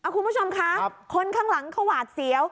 คุณผู้ชมคะคนข้างหลังเขาหวาดเสียว